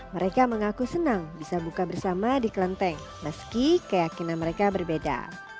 mereka mengaku senang bisa buka bersama di kelenteng meski keyakinan mereka berbeda